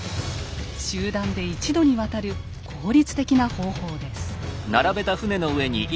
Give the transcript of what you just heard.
集団で一度に渡る効率的な方法です。